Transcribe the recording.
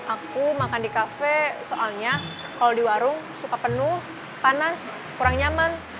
aku makan di kafe soalnya kalau di warung suka penuh panas kurang nyaman